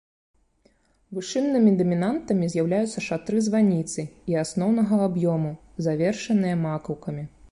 Вышыннымі дамінантамі з'яўляюцца шатры званіцы і асноўнага аб'ёму, завершаныя макаўкамі.